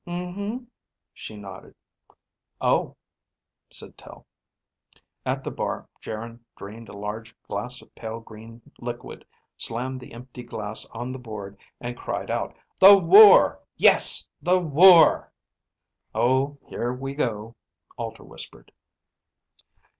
"Um hm," she nodded. "Oh," said Tel. At the bar, Geryn drained a large glass of pale green liquid, slammed the empty glass on the board and cried out, "The war. Yes, the war!" "Oh, here we go," Alter whispered.